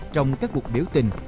trong các cuộc biểu tình